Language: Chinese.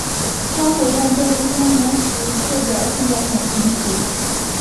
他回应这一声明时却表现得很成熟。